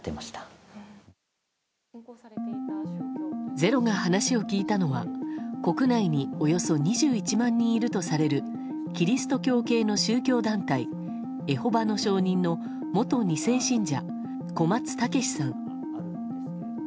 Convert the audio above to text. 「ｚｅｒｏ」が話を聞いたのは国内におよそ２１万人いるとされるキリスト教系の宗教団体エホバの証人の元２世信者・小松猛さん。